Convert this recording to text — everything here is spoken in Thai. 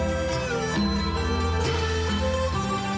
โอ้โหโอ้โหโอ้โหโอ้โห